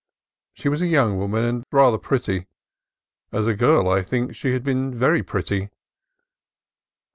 She was a young woman, and rather pretty. As a girl I think she had been very pretty.